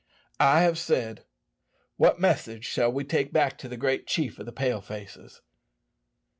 I have said. What message shall we take back to the great chief of the Pale faces?"